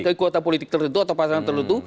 kekuatan politik tertentu atau pasangan tertentu